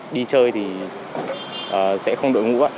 đi chơi thì sẽ không đội ngũ